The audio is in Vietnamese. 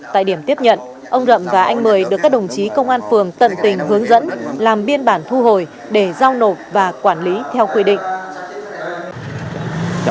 tại điểm tiếp nhận ông rậm và anh mười được các đồng chí công an phường tận tình hướng dẫn làm biên bản thu hồi để giao nộp và quản lý theo quy định